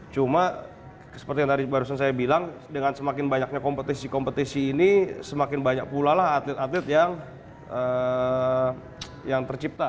cuma seperti yang tadi barusan saya bilang dengan semakin banyaknya kompetisi kompetisi ini semakin banyak pula lah atlet atlet yang tercipta